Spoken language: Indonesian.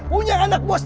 punya anak bos